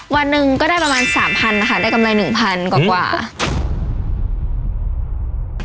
วันนึงก็ได้ประมาณ๓๐๐๐บาทได้กำไร๑พันกว่าหวะ